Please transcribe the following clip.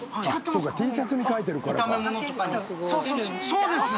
そうです！